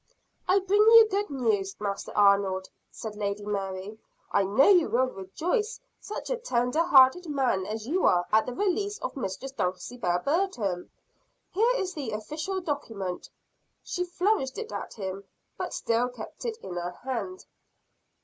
"I bring you good news, Master Arnold," said Lady Mary, "I know you will rejoice, such a tender hearted man as you are at the release of Mistress Dulcibel Burton. Here is the official document." She flourished it at him, but still kept it in her hand.